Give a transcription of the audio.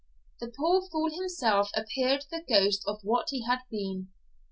The poor fool himself appeared the ghost of what he had been.